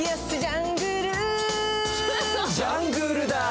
「ジャングルだぁ」